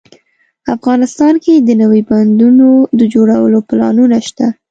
افغانستان کې د نوي بندونو د جوړولو پلانونه شته